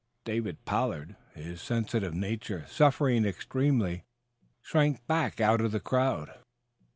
David Pollard, his sensitive nature suffering extremely, shrank back out of the crowd.